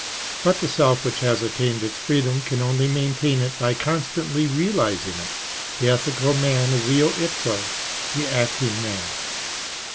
But the self which has attained its free dom can only maintain it by constantly realising it ; the ethical man is eo ipso the acting man.